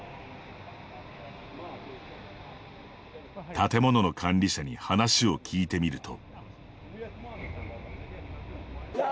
建物の管理者に話を聞いてみると。